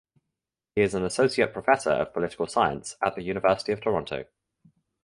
He is an associate professor of political science at the University of Toronto.